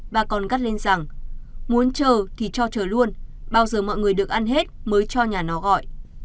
bà còn gắt lên rằng muốn chờ thì cho chờ luôn bao giờ mọi người được ăn hết mới cho nhà nó gọi